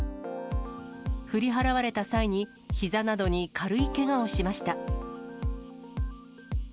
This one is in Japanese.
振り払われた際に、ひざなどに軽いけがをしました。